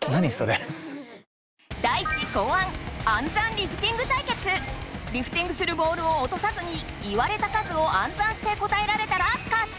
ダイチ考案リフティングするボールをおとさずに言われた数を暗算して答えられたら勝ち！